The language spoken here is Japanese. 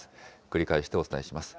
繰り返してお伝えします。